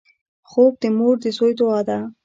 خوب د مور د زوی دعا ده